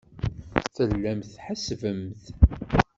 Tellamt tḥessbemt.